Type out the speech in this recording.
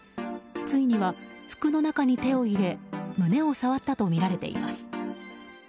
ついには服の中に手を入れ胸を触ったとみられています。